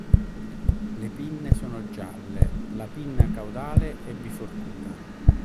Le pinne sono gialle, la pinna caudale è biforcuta.